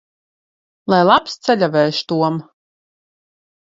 Lai labs ceļavējš, Tom!